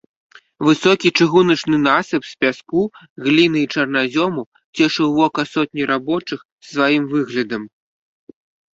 Высокі чыгуначны насып з пяску, гліны і чарназёму цешыў вока сотні рабочых сваім выглядам.